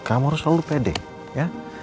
kamu harus selalu pede ya